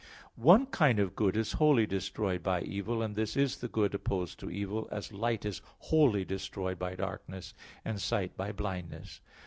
One kind of good is wholly destroyed by evil, and this is the good opposed to evil, as light is wholly destroyed by darkness, and sight by blindness.